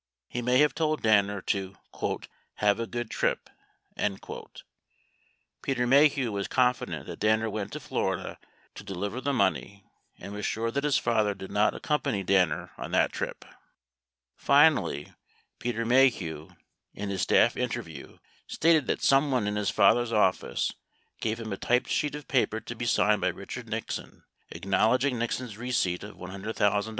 He may have told Danner to "have a good trip." 72 Peter Maheu was con fident that Danner went to Florida to deliver the money 73 and was sure that his father did not accompany Danner on that trip. 74 Finally, Peter Maheu (in his staff interview) stated that someone in his father's office gave him a typed sheet of paper to be signed by Richard Nixon acknowledging Nixon's receipt of $100,000 from Hughes.